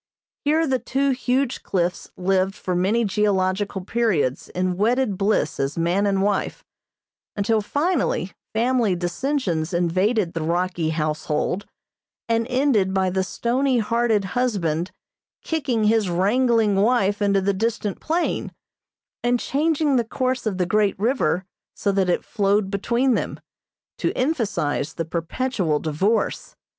Here the two huge cliffs lived for many geological periods in wedded bliss as man and wife, until finally family dissensions invaded the rocky household, and ended by the stony hearted husband kicking his wrangling wife into the distant plain, and changing the course of the great river so that it flowed between them, to emphasize the perpetual divorce.